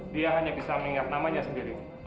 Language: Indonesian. dia hanya bisa mengingat namanya sendiri